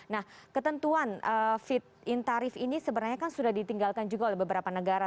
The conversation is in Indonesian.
nah ketentuan fit in tarif ini sebenarnya kan sudah ditinggalkan juga oleh beberapa negara